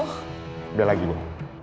udah lagi nih